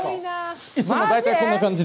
いつも大体こんな感じで。